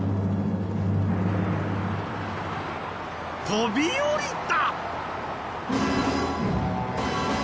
飛び降りた！